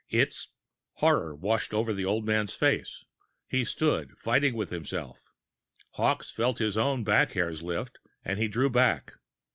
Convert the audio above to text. It's...." Horror washed over the old man's face. He stood, fighting within himself. Hawkes felt his own back hairs lift, and he drew back.